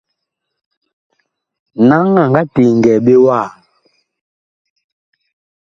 Naŋ a nga teŋgɛɛ ɓe wa ?